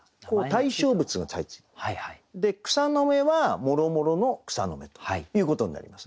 で草の芽はもろもろの草の芽ということになります。